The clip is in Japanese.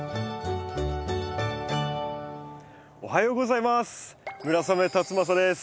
おはようございます。